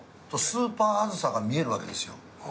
スーパーあずさが見えるわけですよ。